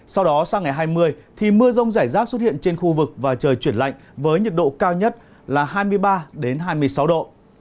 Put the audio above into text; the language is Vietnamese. sau đó sang ngày hai mươi thì mưa rông rải rác xuất hiện trên khu vực và trời chuyển lạnh với nhiệt độ cao nhất là hai mươi ba hai mươi sáu độ